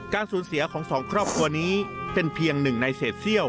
สูญเสียของสองครอบครัวนี้เป็นเพียงหนึ่งในเศษเซี่ยว